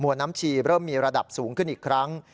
น้ำชีเริ่มมีระดับสูงขึ้นอีกครั้ง